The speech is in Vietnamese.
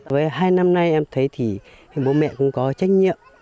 với hai năm nay em thấy thì bố mẹ cũng có trách nhiệm